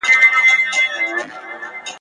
ته یې سل ځله لمبه کړه زه به بل درته لیکمه ..